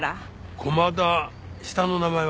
駒田下の名前は？